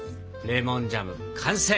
レモンジャム完成！